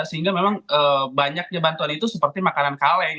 sehingga memang banyaknya bantuan itu seperti makanan kaleng